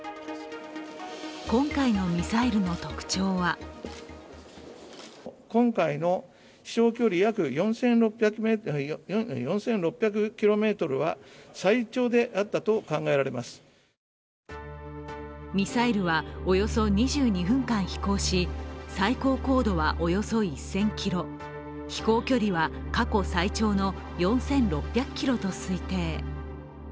今回のミサイルの特徴はミサイルはおよそ２２分間飛行し、最高高度はおよそ１０００ｋｍ、飛行距離は過去最長の４６００ｋｍと推定。